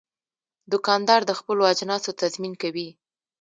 دوکاندار د خپلو اجناسو تضمین کوي.